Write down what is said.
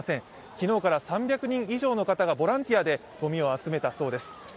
昨日から３００人以上の方がボランティアでごみを集めたそうです。